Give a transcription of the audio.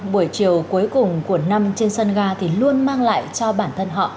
buổi chiều cuối cùng của năm trên sân ga thì luôn mang lại cho bản thân họ